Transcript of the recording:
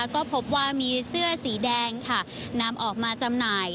ก็พบว่ามีเสื้อสีแดงค่ะนำออกมาจำหน่าย